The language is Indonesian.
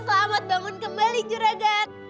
selamat bangun kembali juragan